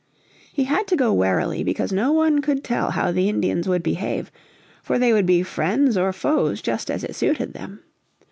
He had to go warily because no one could tell how the Indians would behave, for they would be friends or foes just as it suited them.